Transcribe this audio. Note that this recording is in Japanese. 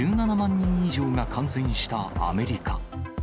人以上が感染したアメリカ。